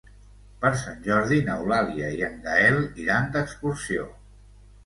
Per Sant Jordi n'Eulàlia i en Gaël iran d'excursió.